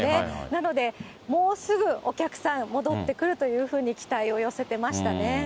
なので、もうすぐお客さん戻ってくるというふうに期待を寄せてましたね。